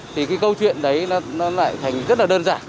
thì cái câu chuyện đấy nó lại thành rất là đơn giản